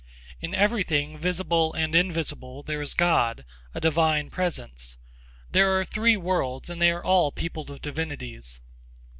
In everything, visible and invisible, there is God, a divine presence. There are three worlds, and they are all peopled with divinities.